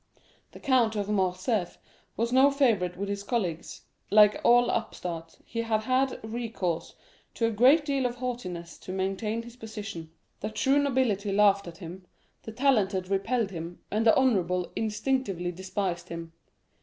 The Count of Morcerf was no favorite with his colleagues. Like all upstarts, he had had recourse to a great deal of haughtiness to maintain his position. The true nobility laughed at him, the talented repelled him, and the honorable instinctively despised him.